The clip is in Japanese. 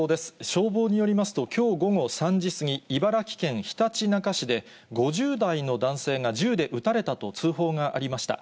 消防によりますと、きょう午後３時過ぎ、茨城県ひたちなか市で、５０代の男性が銃で撃たれたと通報がありました。